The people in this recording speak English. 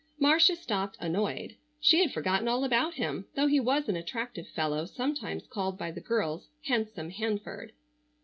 Marcia stopped annoyed. She had forgotten all about him, though he was an attractive fellow, sometimes called by the girls "handsome Hanford."